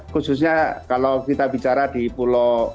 khususnya kalau kita bicara di pulau